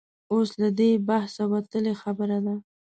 اوس له دې بحثه وتلې خبره ده.